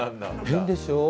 変でしょう。